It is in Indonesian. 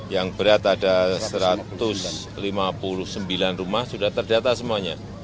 yang berat ada satu ratus lima puluh sembilan rumah sudah terdata semuanya